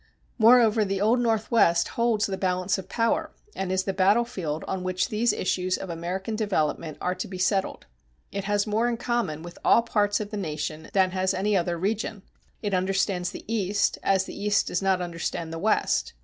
Moreover, the Old Northwest holds the balance of power, and is the battlefield on which these issues of American development are to be settled. It has more in common with all parts of the nation than has any other region. It understands the East, as the East does not understand the West.